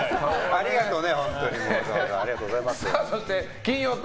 ありがとうね。